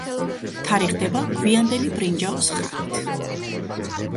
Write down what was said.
თარიღდება გვიანდელი ბრინჯაოს ხანით.